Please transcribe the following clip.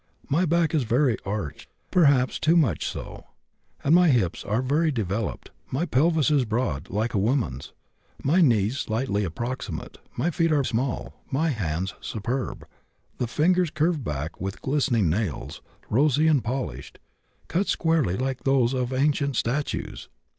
My back is very arched, perhaps too much so; and my hips are very developed; my pelvis is broad, like a woman's; my knees slightly approximate; my feet are small; my hands superb; the fingers curved back and with glistening nails, rosy and polished, cut squarely like those of ancient statues.